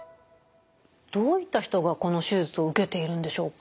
どういった人がこの手術を受けているんでしょうか？